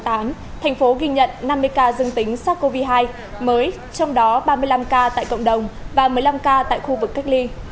thành phố ghi nhận năm mươi ca dương tính sars cov hai mới trong đó ba mươi năm ca tại cộng đồng và một mươi năm ca tại khu vực cách ly